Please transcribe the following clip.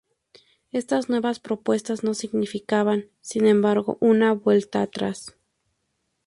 Estas nuevas propuestas no significaban, sin embargo, una "vuelta atrás".